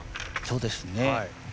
そうですね。